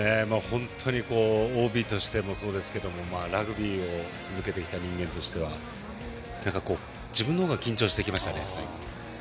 ＯＢとしてもそうですがラグビーを続けてきた人間としては、自分の方が緊張してきましたね。